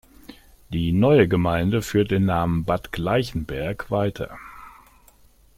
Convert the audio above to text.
Die neue Gemeinde führt den Namen „Bad Gleichenberg“ weiter.